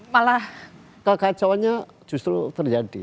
malah kekacauannya justru terjadi